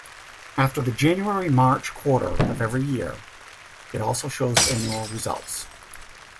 After the January-March quarter of every year, it also shows annual results.